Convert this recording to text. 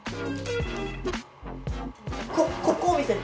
ここを見せる。